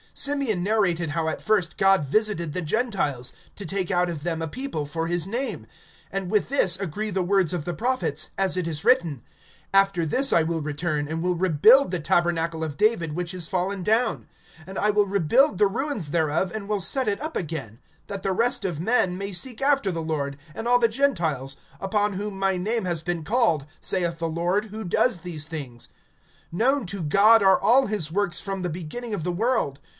(14)Simeon narrated how at first God visited the Gentiles, to take out of them a people for his name. (15)And with this agree the words of the prophets; as it is written: (16)After this I will return, And will rebuild the tabernacle of David, which is fallen down; And I will rebuild the ruins thereof, and will set it up again; (17)that the rest of men may seek after the Lord, And all the Gentiles, upon whom my name has been called, Saith the Lord, who does these things[15:17]. (18)Known to God are all his works from the beginning of the world.